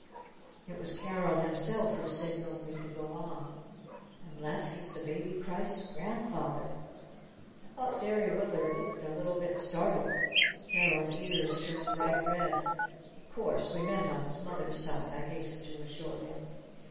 It was Carol himself who signaled me to go on. "Unless he's the Baby Christ's grandfather?" I thought Derry Willard looked a little bit startled. Carol's ears turned bright red. "Oh, of course we meant on his mother's side!" I hastened to assure him.